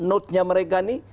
notenya mereka nih